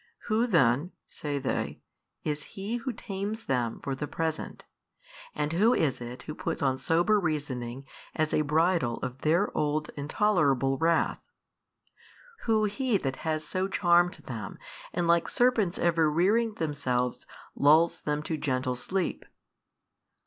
Who then (say they) is He who tames them for the present, and Who is it who puts on sober reasoning as a bridle of their of old intolerable wrath? who He that has so charmed them and like serpents ever rearing themselves lulls them to gentle sleep?